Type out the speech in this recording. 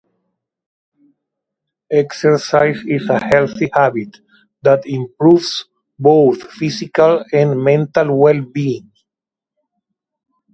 Exercise is a healthy habit that improves both physical and mental well-being.